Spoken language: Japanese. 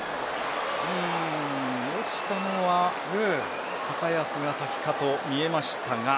うん落ちたのは高安が先かと見えましたが。